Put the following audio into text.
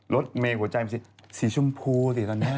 รถเมย์หัวใจมันสีชมพูสิตอนนี้